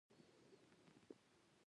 زه خپل اطاق پاک ساتم.